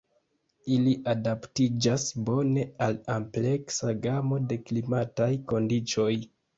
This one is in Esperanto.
Ili adaptiĝas bone al ampleksa gamo de klimataj kondiĉoj.